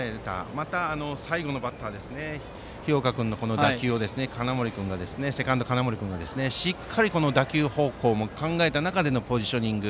また、最後のバッター日岡君の打球をセカンドの金森君がしっかり打球方向も考えてのポジショニング。